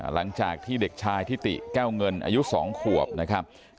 หลังจากที่เด็กชายทิติแก้วเงินอายุ๒ขวบนะครับ